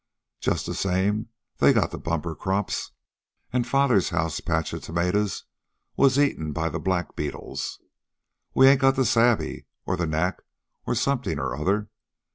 Just the same they got bumper crops, an' father's house patch of tomatoes was eaten by the black beetles. We ain't got the sabe, or the knack, or something or other.